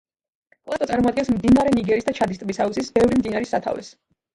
პლატო წარმოადგენს მდინარე ნიგერის და ჩადის ტბის აუზის ბევრი მდინარის სათავეს.